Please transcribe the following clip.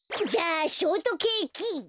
じゃあショートケーキ。